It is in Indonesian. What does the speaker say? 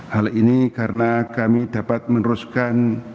hal ini karena kami dapat meneruskan